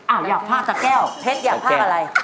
อ้าวอยากภาพสาคแก้วเจ๊อยากภาพอะไร